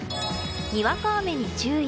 にわか雨に注意。